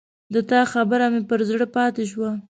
د تا خبره مې پر زړه پاته شوه